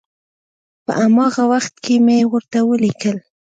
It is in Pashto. په هماغه وخت کې مې ورته ولیکل.